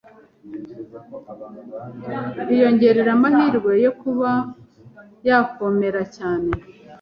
biyongerera amahirwe yo kuba yakomera cyane